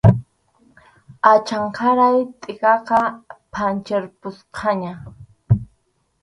Achanqaray tʼikaqa phanchirqusqaña.